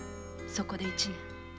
そこで一年。